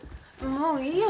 もういいよ。